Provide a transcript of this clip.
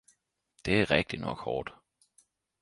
Det er rigtignok hårdt!